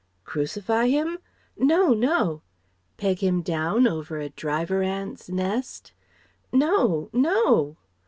"Crucify him?" "No! No!" "Peg him down over a Driver Ants' nest?" "No! No!"